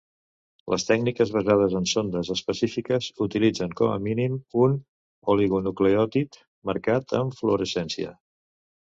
Les tècniques basades en sondes específiques utilitzen com a mínim un oligonucleòtid marcat amb fluorescència.